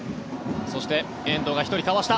そして、遠藤が１人かわした。